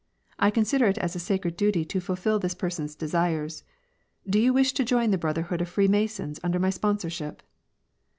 I consider it as a sacred duty to fulfil this person's desires. Do you wish to join the brotherhood of Freemasons under my sponsorship